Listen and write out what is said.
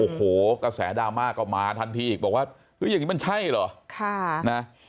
โอ้โหกระแสดราม่าก็มาทันทีอีกบอกว่าเฮ้ยอย่างนี้มันใช่เหรอ